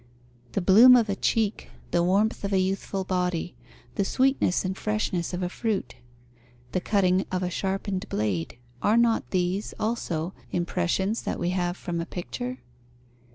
The bloom of a cheek, the warmth of a youthful body, the sweetness and freshness of a fruit, the cutting of a sharpened blade, are not these, also, impressions that we have from a picture?